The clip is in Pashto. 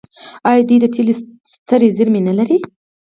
آیا دوی د تیلو سترې زیرمې نلري؟